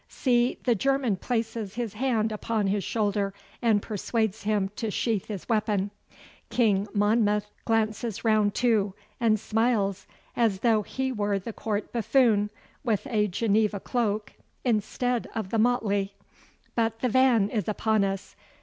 See, the German places his hand upon his shoulder and persuades him to sheathe his weapon. King Monmouth glances round too, and smiles as though he were the Court buffoon with a Geneva cloak instead of the motley. But the van is upon us.